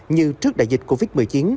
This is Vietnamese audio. như trước đại dịch covid một mươi chín